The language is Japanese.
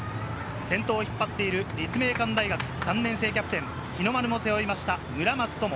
先頭を引っ張っている立命館大学３年生キャプテン、日の丸を背負いました、村松灯。